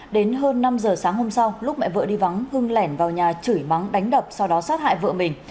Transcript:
đến hơn năm giờ sáng hôm sau lúc mẹ vợ đi vắng hưng lẻn vào nhà chửi mắng đánh đập sau đó sát hại vợ mình